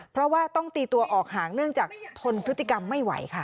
เพราะว่าต้องตีตัวออกห่างเนื่องจากทนพฤติกรรมไม่ไหวค่ะ